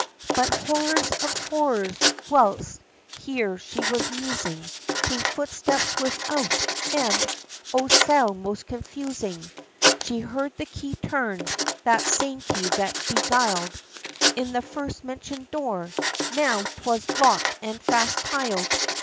But horror of horrors! whilst here she was musing, Came footsteps without, and oh! sound most confusing! She heard the key turned. (That same key that beguiled In the first mention'd door.) Now 'twas lock'd and fast tyled!